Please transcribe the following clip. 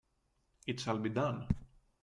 It shall be done!